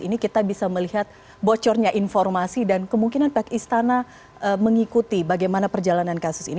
ini kita bisa melihat bocornya informasi dan kemungkinan pihak istana mengikuti bagaimana perjalanan kasus ini